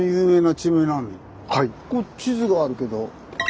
ここ地図があるけど。